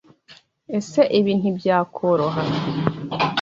ese Ibi ntibyakoroha.